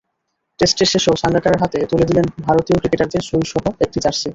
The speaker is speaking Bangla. টেস্টের শেষেও সাঙ্গাকারার হাতে তুলে দিলেন ভারতীয় ক্রিকেটারদের সইসহ একটি জার্সি।